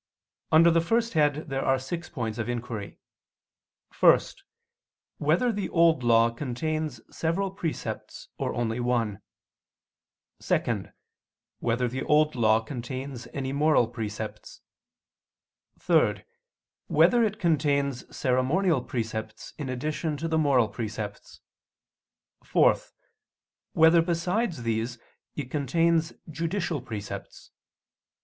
Under the first head there are six points of inquiry: (1) Whether the Old Law contains several precepts or only one? (2) Whether the Old Law contains any moral precepts? (3) Whether it contains ceremonial precepts in addition to the moral precepts? (4) Whether besides these it contains judicial precepts?